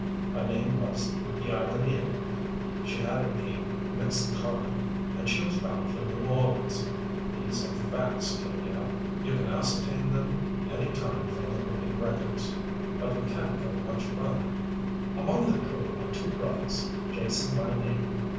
Her name was the Arganil, she had a mixed cargo, and she was bound for New Orleans. These are facts, Killdare. You can ascertain them any time from the marine records. But we can't go much further. "Among the crew were two brothers, Jason by name.